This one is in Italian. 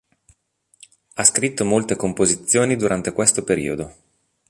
Ha scritto molte composizioni durante questo periodo.